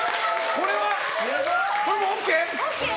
これはＯＫ？